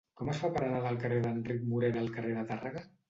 Com es fa per anar del carrer d'Enric Morera al carrer de Tàrrega?